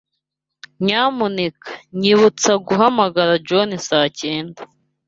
Nyamuneka nyibutsa guhamagara John saa cyenda.